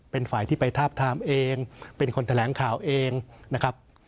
เป็นฝ่ายที่ไปทาบทามเองเป็นคนแถลงข่าวเองนะครับ